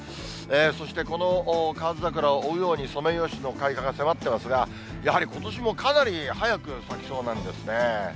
そして、このカワヅザクラを追うように、ソメイヨシノの開花が迫ってますが、やはりことしもかなり早く咲きそうなんですね。